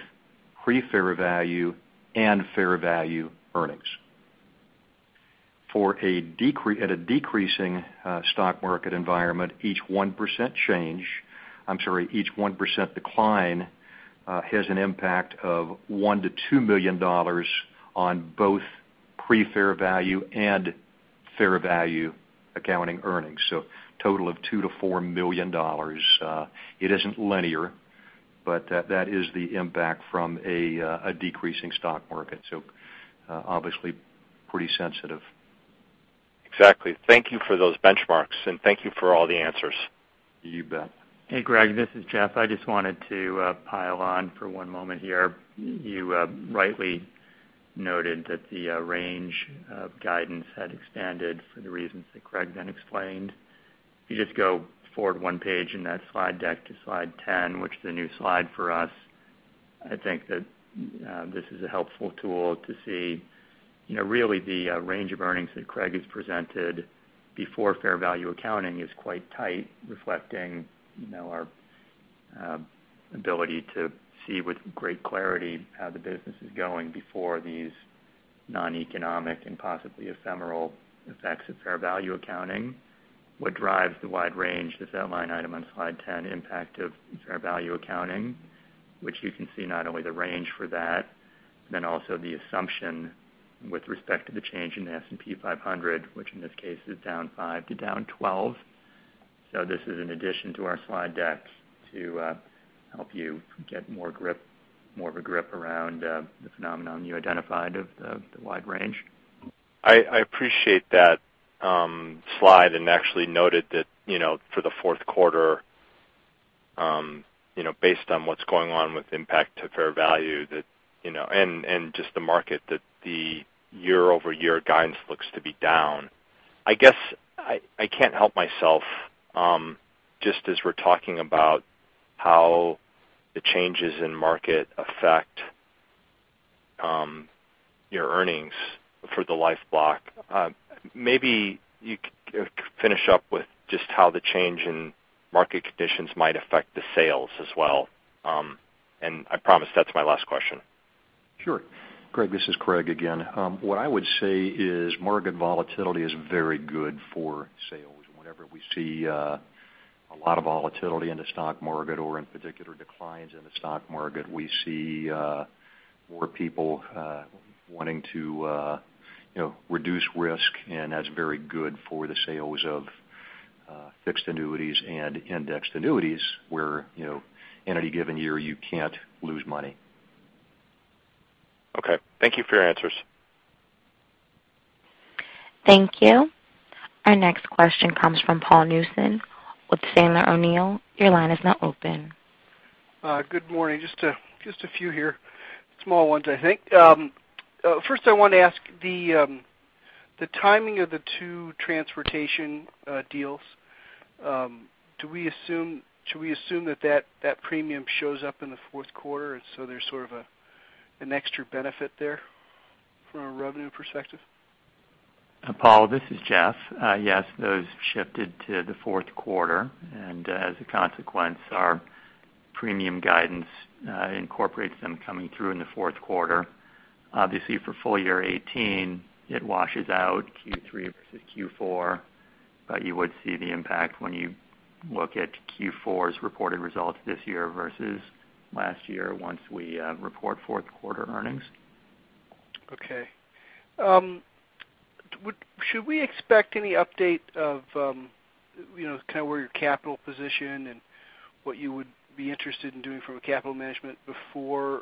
pre-fair value and fair value earnings. At a decreasing stock market environment, each 1% decline has an impact of $1 million to $2 million on both pre-fair value and fair value accounting earnings. Total of $2 million to $4 million. It isn't linear, but that is the impact from a decreasing stock market. Obviously pretty sensitive. Exactly. Thank you for those benchmarks, and thank you for all the answers. You bet. Hey, Greg, this is Jeff. I just wanted to pile on for one moment here. You rightly noted that the range of guidance had expanded for the reasons that Craig then explained. You just go forward one page in that slide deck to slide 10, which is a new slide for us, I think that this is a helpful tool to see really the range of earnings that Craig has presented before fair value accounting is quite tight, reflecting our ability to see with great clarity how the business is going before these non-economic and possibly ephemeral effects of fair value accounting. What drives the wide range, this outline item on slide 10, impact of fair value accounting, which you can see not only the range for that, then also the assumption with respect to the change in the S&P 500, which in this case is down 5 to down 12. This is an addition to our slide deck to help you get more of a grip around the phenomenon you identified of the wide range. I appreciate that slide and actually noted that for the fourth quarter, based on what's going on with impact to fair value and just the market, that the year-over-year guidance looks to be down. I guess I can't help myself, just as we're talking about how the changes in market affect your earnings for the life block. Maybe you could finish up with just how the change in market conditions might affect the sales as well. I promise that's my last question. Sure. Greg, this is Craig again. What I would say is market volatility is very good for sales. Whenever we see a lot of volatility in the stock market or in particular declines in the stock market, we see more people wanting to reduce risk, and that's very good for the sales of fixed annuities and indexed annuities where, in any given year, you can't lose money. Okay. Thank you for your answers. Thank you. Our next question comes from Paul Newsome with Sandler O'Neill. Your line is now open. Good morning. Just a few here. Small ones, I think. First, I want to ask the timing of the two transportation deals. Should we assume that premium shows up in the fourth quarter, there's sort of an extra benefit there from a revenue perspective? Paul, this is Jeff. Yes, those shifted to the fourth quarter, as a consequence, our premium guidance incorporates them coming through in the fourth quarter. Obviously, for full year 2018, it washes out Q3 versus Q4, you would see the impact when you look at Q4's reported results this year versus last year once we report fourth quarter earnings. Okay. Should we expect any update of kind of where your capital position and what you would be interested in doing from a capital management before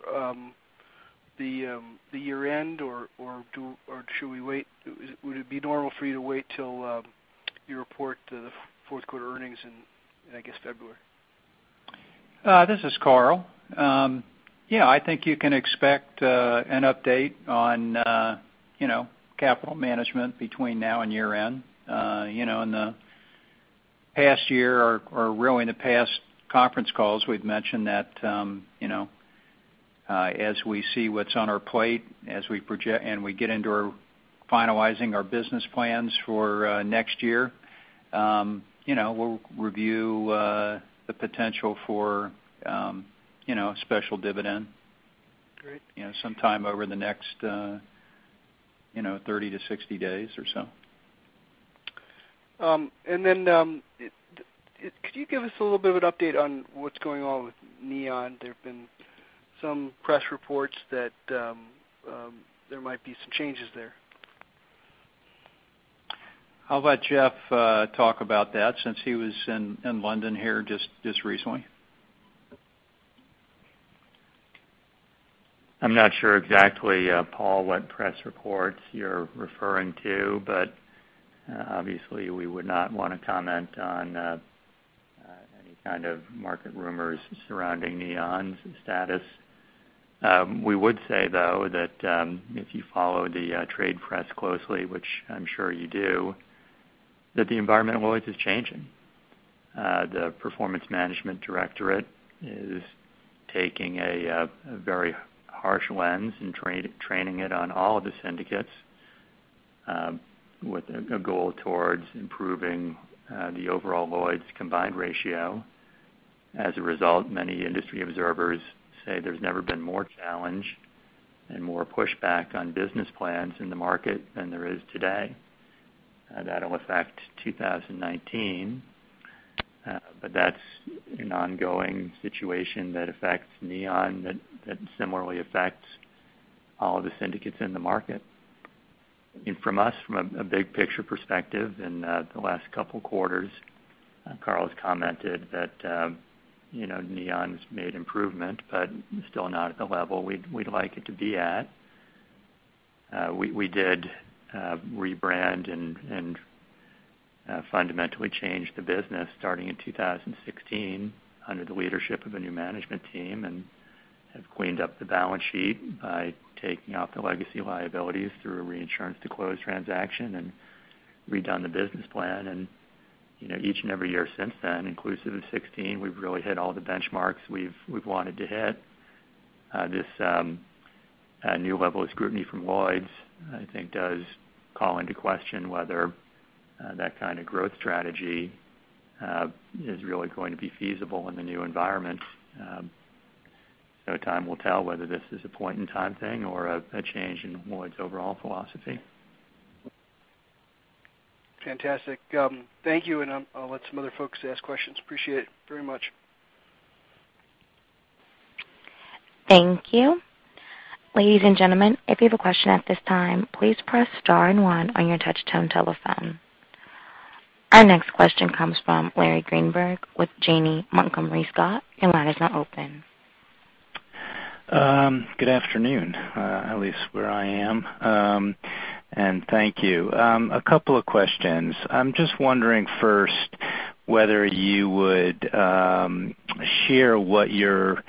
the year-end, or should we wait? Would it be normal for you to wait till you report the fourth quarter earnings in, I guess, February? This is Carl. Yeah, I think you can expect an update on capital management between now and year-end. In the past year or really in the past conference calls, we've mentioned that as we see what's on our plate, and we get into finalizing our business plans for next year, we'll review the potential for a special dividend. Great. Sometime over the next 30-60 days or so. Could you give us a little bit of an update on what's going on with Neon? There've been some press reports that there might be some changes there. I will let Jeff talk about that since he was in London here just recently. I am not sure exactly, Paul, what press reports you are referring to, but obviously we would not want to comment on any kind of market rumors surrounding Neon's status. We would say, though, that if you follow the trade press closely, which I am sure you do, that the environmental voice is changing. The Performance Management Directorate is taking a very harsh lens and training it on all of the syndicates with a goal towards improving the overall Lloyd's combined ratio. As a result, many industry observers say there has never been more challenge and more pushback on business plans in the market than there is today. That will affect 2019, but that is an ongoing situation that affects Neon, that similarly affects all of the syndicates in the market. From us, from a big picture perspective in the last couple quarters, Carl's commented that Neon's made improvement, but still not at the level we would like it to be at. We did rebrand and fundamentally change the business starting in 2016 under the leadership of a new management team, and have cleaned up the balance sheet by taking out the legacy liabilities through a reinsurance to close transaction and redone the business plan. Each and every year since then, inclusive of 2016, we have really hit all the benchmarks we have wanted to hit. This new level of scrutiny from Lloyd's, I think, does call into question whether that kind of growth strategy is really going to be feasible in the new environment. Time will tell whether this is a point-in-time thing or a change in Lloyd's overall philosophy. Fantastic. Thank you, and I will let some other folks ask questions. Appreciate it very much. Thank you. Ladies and gentlemen, if you have a question at this time, please press star and one on your touch tone telephone. Our next question comes from Larry Greenberg with Janney Montgomery Scott. Your line is now open. Good afternoon, at least where I am. Thank you. A couple of questions. I'm just wondering first whether you would share what your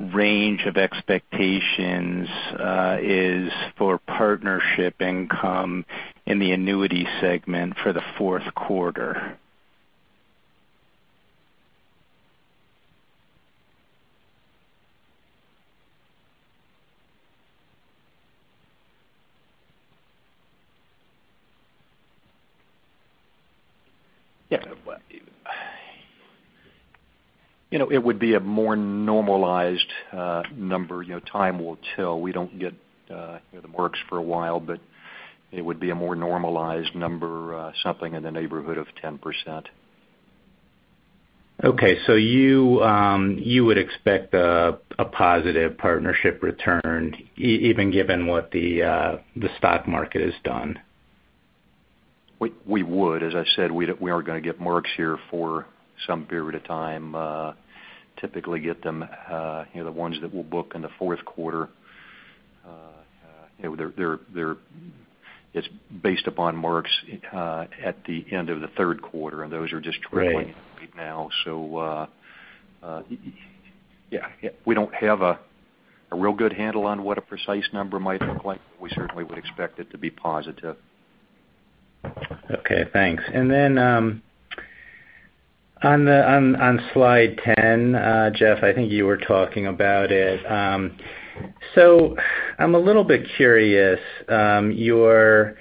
range of expectations is for partnership income in the annuity segment for the fourth quarter. Yeah. It would be a more normalized number. Time will tell. We don't get the marks for a while, but it would be a more normalized number, something in the neighborhood of 10%. Okay. You would expect a positive partnership return, even given what the stock market has done. We would. As I said, we aren't going to get marks here for some period of time. Typically get them, the ones that we'll book in the fourth quarter. It's based upon marks at the end of the third quarter, those are just trickling- Right in right now. We don't have a real good handle on what a precise number might look like, we certainly would expect it to be positive. Okay, thanks. Then, on slide 10, Jeff, I think you were talking about it. I'm a little bit curious. Your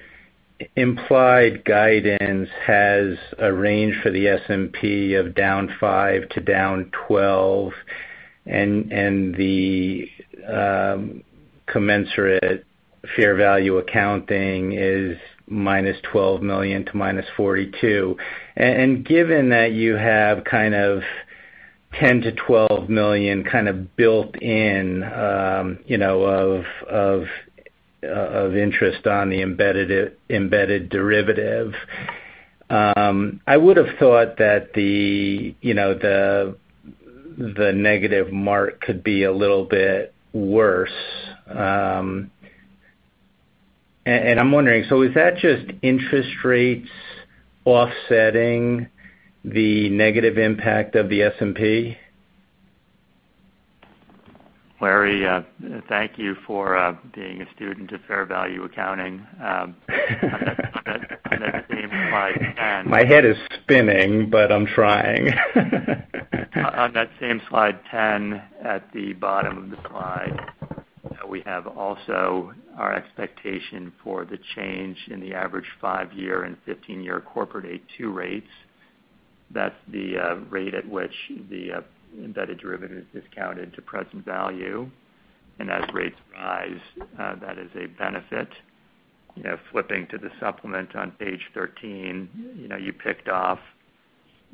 implied guidance has a range for the S&P of down 5%-12%, the commensurate fair value accounting is -$12 million-$42 million. Given that you have $10 million-$12 million built in of interest on the embedded derivative, I would've thought that the negative mark could be a little bit worse. I'm wondering, is that just interest rates offsetting the negative impact of the S&P? Larry, thank you for being a student of fair value accounting. On that same slide 10- My head is spinning. I'm trying. On that same slide 10, at the bottom of the slide, we have also our expectation for the change in the average 5-year and 15-year corporate A2 rates. That's the rate at which the embedded derivative is discounted to present value. As rates rise, that is a benefit. Flipping to the supplement on page 13, you picked off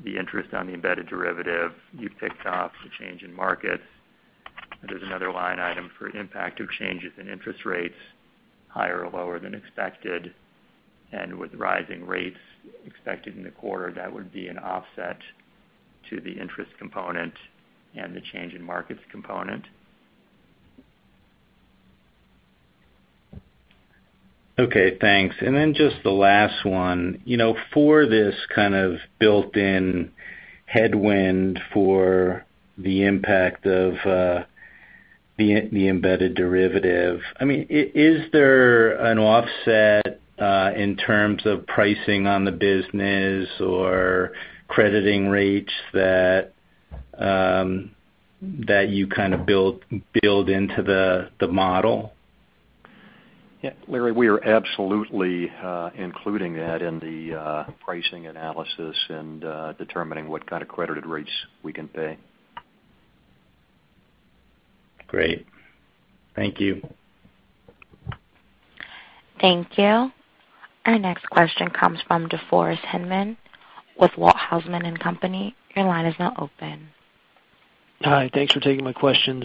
the interest on the embedded derivative. You picked off the change in markets. There's another line item for impact of changes in interest rates, higher or lower than expected. With rising rates expected in the quarter, that would be an offset to the interest component and the change in markets component. Okay, thanks. Just the last one. For this kind of built-in headwind for the impact of the embedded derivative, is there an offset in terms of pricing on the business or crediting rates that you build into the model? Yeah. Larry, we are absolutely including that in the pricing analysis and determining what kind of credited rates we can pay. Great. Thank you. Thank you. Our next question comes from DeForest Hinman with Walthausen & Co. Your line is now open. Hi. Thanks for taking my questions.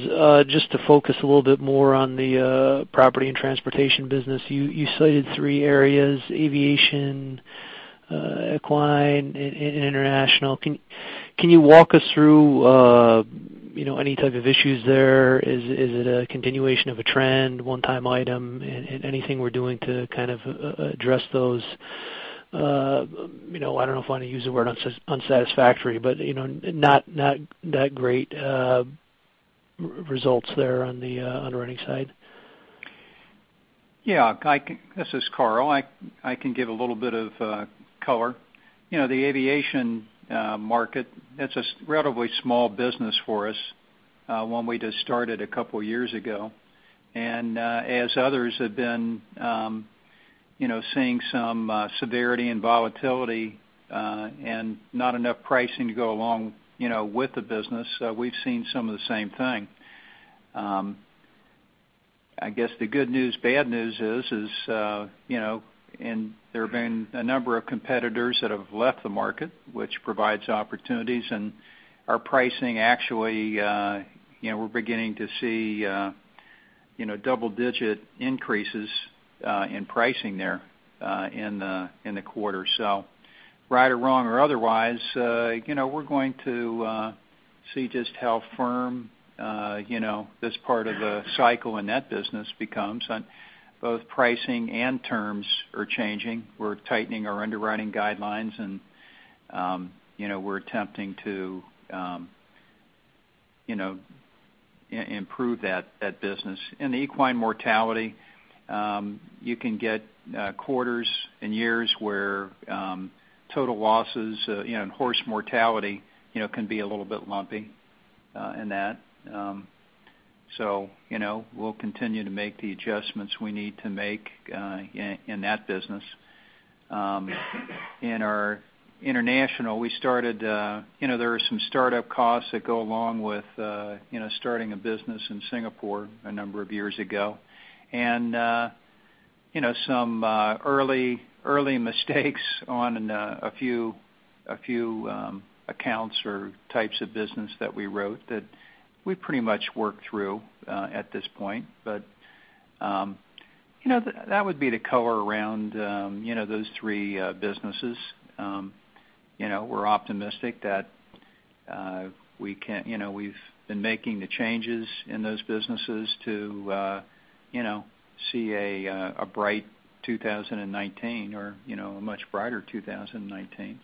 Just to focus a little bit more on the Property and Transportation business, you cited three areas, aviation, equine, and international. Can you walk us through any type of issues there? Is it a continuation of a trend, one-time item? Anything we're doing to kind of address those, I don't know if I want to use the word unsatisfactory, but not that great results there on the underwriting side? Yeah. This is Carl. I can give a little bit of color. The aviation market, that's a relatively small business for us. One we just started a couple of years ago. As others have been seeing some severity and volatility, and not enough pricing to go along with the business, we've seen some of the same thing. I guess the good news, bad news is there have been a number of competitors that have left the market, which provides opportunities, and our pricing actually, we're beginning to see double-digit increases in pricing there in the quarter. Right or wrong or otherwise, we're going to see just how firm this part of the cycle in that business becomes. Both pricing and terms are changing. We're tightening our underwriting guidelines and we're attempting to improve that business. In the equine mortality, you can get quarters and years where total losses and horse mortality can be a little bit lumpy in that. We'll continue to make the adjustments we need to make in that business. In our international, there are some startup costs that go along with starting a business in Singapore a number of years ago, and some early mistakes on a few accounts or types of business that we wrote that we pretty much worked through at this point. That would be the color around those three businesses. We're optimistic that we've been making the changes in those businesses to see a bright 2019 or a much brighter 2019.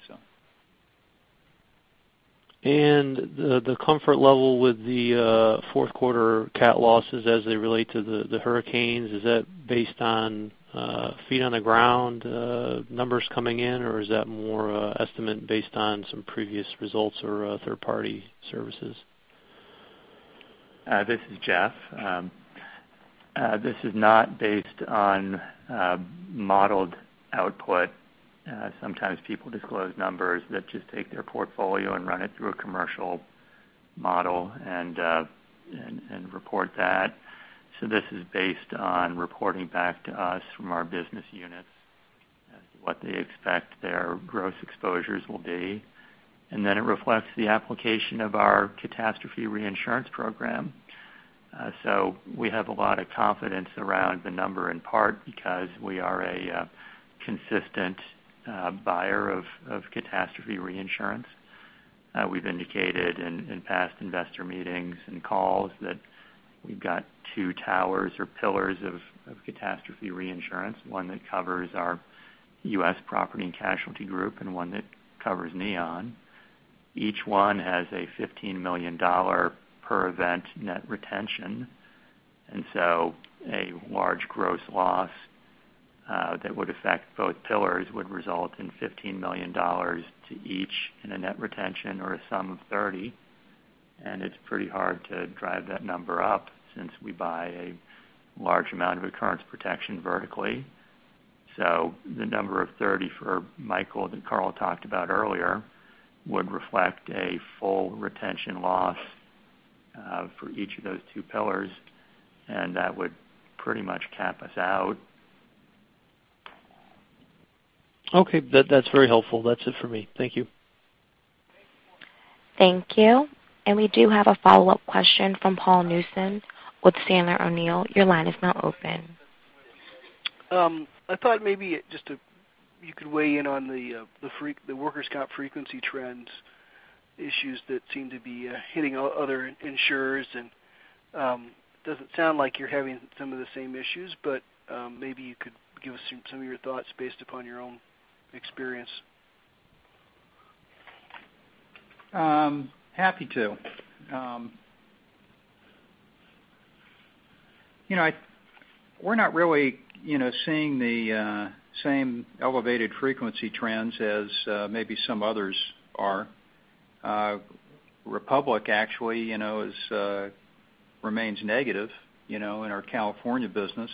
The comfort level with the fourth quarter cat losses as they relate to the hurricanes, is that based on feet on the ground numbers coming in, or is that more an estimate based on some previous results or third-party services? This is Jeff. This is not based on modeled output. Sometimes people disclose numbers that just take their portfolio and run it through a commercial model and report that. This is based on reporting back to us from our business units as to what they expect their gross exposures will be. It reflects the application of our catastrophe reinsurance program. We have a lot of confidence around the number, in part because we are a consistent buyer of catastrophe reinsurance. We've indicated in past investor meetings and calls that we've got two towers or pillars of catastrophe reinsurance, one that covers our U.S. Property and Casualty Group and one that covers Neon. Each one has a $15 million per event net retention, a large gross loss that would affect both pillars would result in $15 million to each in a net retention or a sum of 30. It's pretty hard to drive that number up since we buy a large amount of recurrence protection vertically. The number of 30 for Hurricane Michael that Carl talked about earlier would reflect a full retention loss for each of those two pillars, and that would pretty much cap us out. Okay. That's very helpful. That's it for me. Thank you. Thank you. We do have a follow-up question from Paul Newsome with Sandler O'Neill. Your line is now open. I thought maybe just you could weigh in on the workers' compensation frequency trends issues that seem to be hitting other insurers, and doesn't sound like you're having some of the same issues, but maybe you could give us some of your thoughts based upon your own experience. Happy to. We're not really seeing the same elevated frequency trends as maybe some others are. Republic actually remains negative in our California business.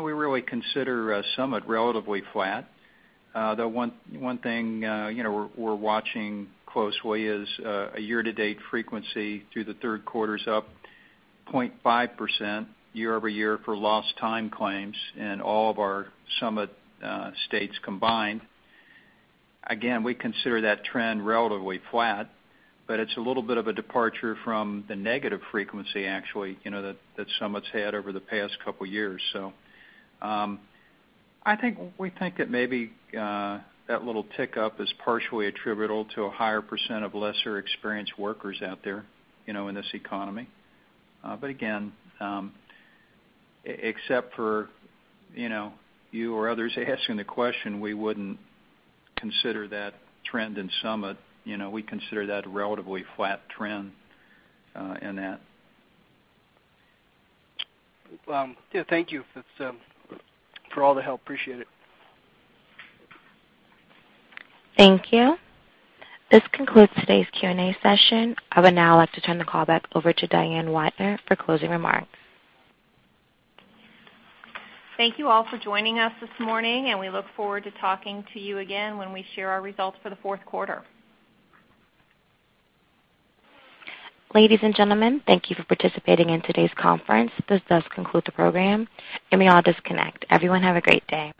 We really consider Summit relatively flat, though one thing we're watching closely is a year-to-date frequency through the third quarter's up 0.5% year-over-year for lost time claims in all of our Summit states combined. Again, we consider that trend relatively flat, but it's a little bit of a departure from the negative frequency, actually, that Summit's had over the past couple of years. We think that maybe that little tick up is partially attributable to a higher percent of lesser experienced workers out there in this economy. Again, except for you or others asking the question, we wouldn't consider that trend in Summit. We consider that a relatively flat trend in that. Thank you for all the help. Appreciate it. Thank you. This concludes today's Q&A session. I would now like to turn the call back over to Diane Widner for closing remarks. Thank you all for joining us this morning, and we look forward to talking to you again when we share our results for the fourth quarter. Ladies and gentlemen, thank you for participating in today's conference. This does conclude the program. You may all disconnect. Everyone have a great day.